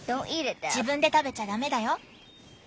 自分で食べちゃダメだよ。